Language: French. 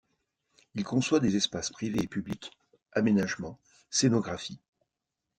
Il conçoit des espaces privés et publics, aménagement, scénographies.